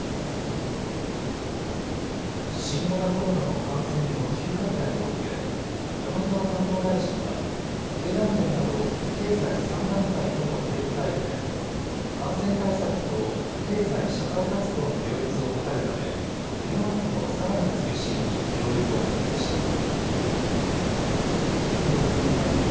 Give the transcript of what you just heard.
新型コロナの感染の急拡大を受け山際担当大臣は経団連など経済３団体とのテレビ会議で感染対策と経済社会活動の両立を図るためテレワークのさらなる推進に協力を求めました。